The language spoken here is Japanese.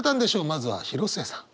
まずは広末さん。